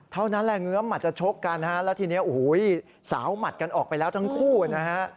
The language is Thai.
เท่านั้นแหละเงี้ยมหมัดจะชกกันและทีนี้สาวหมัดกันออกไปแล้วทั้งคู่นะคะ